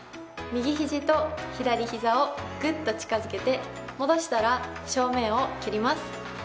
右肘と左膝をグッと近づけて戻したら正面を蹴ります。